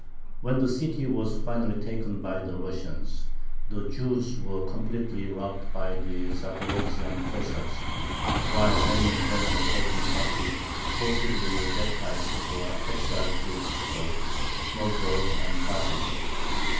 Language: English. When the city was finally taken by the Russians, the Jews were completely robbed by the Zaporozhian Cossacks, while many of them were taken captive, forcibly baptized, or exiled to Pskov, Novgorod, and Kazan.